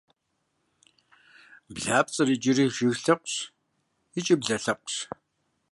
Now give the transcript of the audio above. Блапцӏэр икӏи жыг лъэпкъщ, икӏи блэ лъэпкъщ.